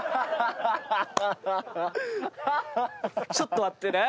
ちょっと待ってね。